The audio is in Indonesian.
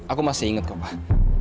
aku masih ingat kok